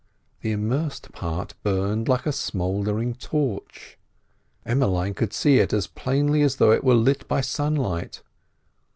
The immersed part burned like a smouldering torch. Emmeline could see it as plainly as though it were lit by sunlight.